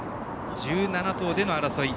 １７頭での争い。